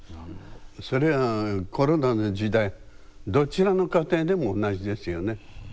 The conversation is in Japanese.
それはコロナの時代どちらの家庭でも同じですよね。